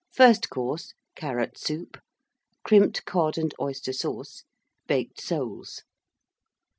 FIRST COURSE. Carrot Soup. Crimped Cod and Oyster Sauce. Baked Soles.